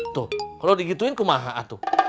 tuh kalo digituin kumaha atuh